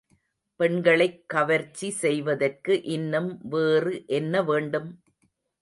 பெண்களைக் கவர்ச்சி செய்வதற்கு இன்னும் வேறு என்ன வேண்டும்?